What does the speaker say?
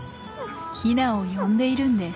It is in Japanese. ヒナを呼んでいるんです。